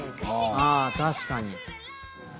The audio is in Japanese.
ああ確かに。